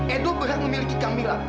edo berat memiliki kamila